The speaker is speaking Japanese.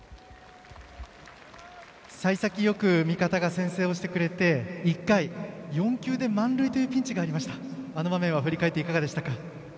幸先よく味方が先制をしてくれて１回、４球で満塁というピンチがありましたがあの場面は振り返っていかがでしたか。